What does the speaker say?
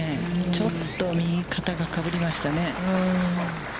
ちょっと右肩がかぶりましたね。